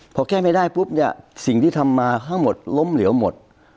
พอแก้ไม่ได้ปุ๊บสิ่งที่ทำมาเผาหมดล้มเหลวหมด